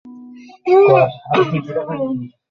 ও যেন কাঁচা হয়ে গেছে এবং ওদের মতে কিছু যেন বোকা।